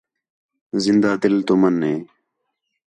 زندہ دِل تُمن ہِے